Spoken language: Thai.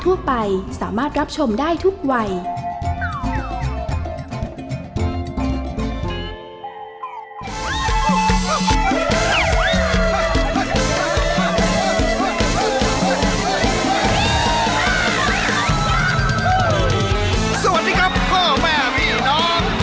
สวัสดีครับพ่อแม่พี่น้อง